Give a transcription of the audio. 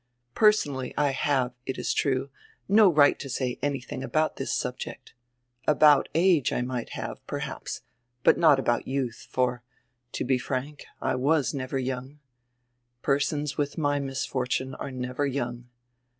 Personally I have, it is true, no right to say anytiiing about diis subject About age I might have, perhaps, but not about youth, for, to be frank, I was never young. Persons widi my misfortune are never young.